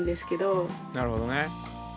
なるほどね。